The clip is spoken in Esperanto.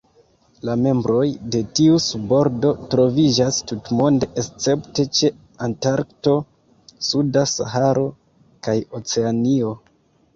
La membroj de tiu subordo troviĝas tutmonde escepte ĉe Antarkto, suda Saharo, kaj Oceanio.